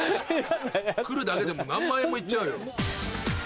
来るだけでも何万円も行っちゃうよ。